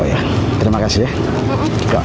oh iya terima kasih ya